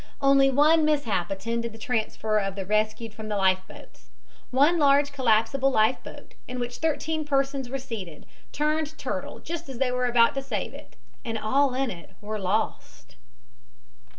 Only one mishap attended the transfer of the rescued from the life boats. One large collapsible life boat, in which thirteen persons were seated, turned turtle just as they were about to save it, and all in it were lost.